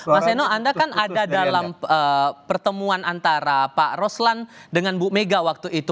mas eno anda kan ada dalam pertemuan antara pak roslan dengan bu mega waktu itu